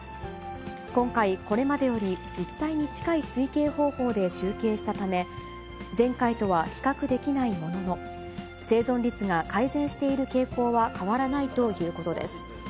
今回、これまでより実態に近い推計方法で集計したため、前回とは比較できないものの、生存率が改善している傾向は変わらないということです。